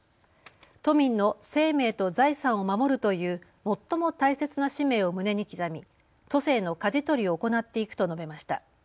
都民の生命と財産を守るという最も大切な使命を胸に刻み都政のかじ取りを行っていくと述べました。